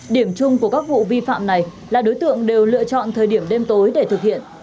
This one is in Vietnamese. điểm chung của các vụ vi phạm này là đối tượng đều lựa chọn thời điểm đêm tối để thực hiện